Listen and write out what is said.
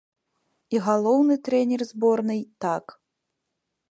І галоўны трэнер зборнай, так.